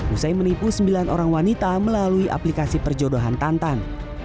usai menipu sembilan orang wanita melalui aplikasi perjodohan tantan